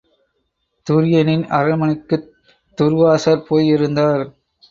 துரியனின் அரண்மனைக்குத் துர்வாசர் போய் இருந்தார்.